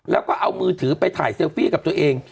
แล้วก็เอามือถือไปถ่ายเซลฟี่กับตัวเอง